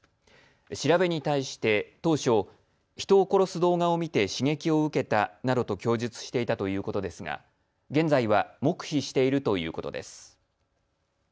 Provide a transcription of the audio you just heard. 調べに対して当初、人を殺す動画を見て刺激を受けたなどと供述していたということですが現在は黙秘しているということです。